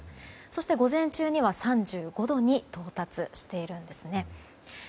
そして、午前中には３５度に到達しているんです。